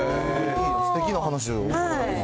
すてきなお話で。